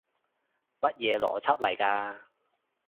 乜嘢邏輯嚟㗎？